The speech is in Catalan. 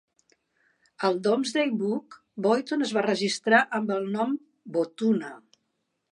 Al Domesday Book, Boyton es va registrar amb el nom "Bohtuna".